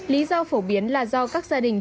lý do phổ biến là do các gia đình